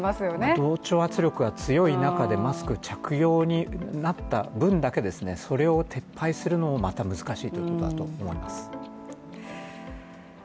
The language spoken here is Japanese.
同調圧力が強い中でマスク着用になった分だけそれを撤廃するのもまた難しいと思います。